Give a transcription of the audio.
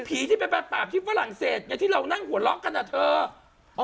พี่ที่ไปปราบในฝรั่งเศสที่เรานั่งหัวล้อกันเดี๋ยวเธอ